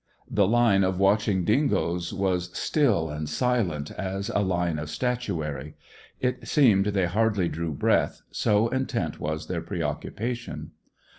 The line of watching dingoes was still and silent as a line of statuary; it seemed they hardly drew breath, so intent was their preoccupation.